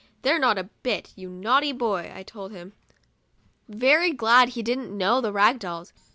"They're not a bit, you naughty boy," I told him, very glad he didn't know the rag dolls.